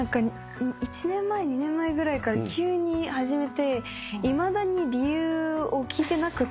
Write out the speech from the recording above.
１年前２年前ぐらいから急に始めていまだに理由を聞いてなくて。